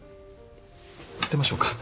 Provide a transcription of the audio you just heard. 捨てましょうか。